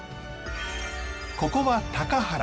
ここは高原。